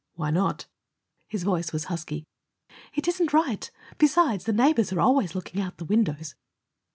"Why not?" His voice was husky. "It isn't right. Besides, the neighbors are always looking out the windows."